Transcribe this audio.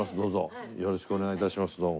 どうぞよろしくお願い致します。